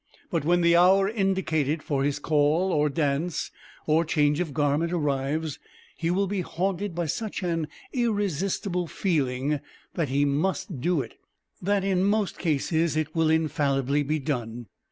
But when the hour indicated for his call or dance, or change of garment arrives, he will be haunted by such an irresistible feeling that he must do it; that in most cases it will infallibly be done.